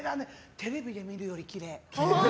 テレビで見るより、きれい。